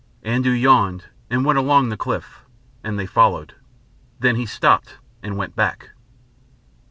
Andoo yawned and went on along the cliff, and they followed. Then he stopped and went back.